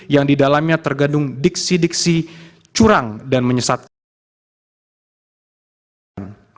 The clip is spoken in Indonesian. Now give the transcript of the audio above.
yang didalamnya tergandung diksi diksi curang dan menyesatkan